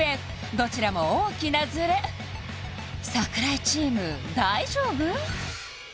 どちらも大きなズレ櫻井チーム大丈夫？